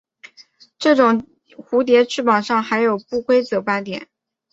这种蝴蝶翅膀上的还有不规则斑点。